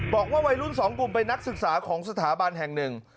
บอกว่าวัยรุ่นสองกลุ่มเป็นนักศึกษาของสถาบันแห่งหนึ่ง